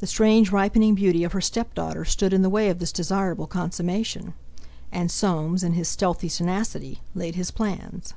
The strange ripening beauty of her stepdaughter stood in the way of this desirable consummation. And Soames, in his stealthy tenacity, laid his plans.